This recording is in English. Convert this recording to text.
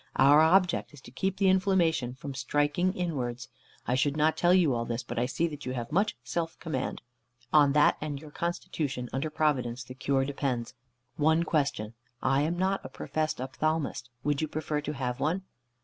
Our object is to keep the inflammation from striking inwards. I should not tell you all this, but I see that you have much self command. On that and your constitution, under Providence, the cure depends. One question. I am not a professed ophthalmist, would you prefer to have one?"